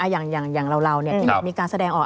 อย่างเหมือนเรามีการแสดงออก